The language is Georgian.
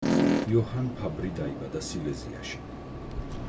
იოჰან ფაბრი დაიბადა სილეზიაში.